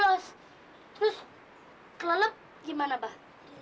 terus kelelep gimana abah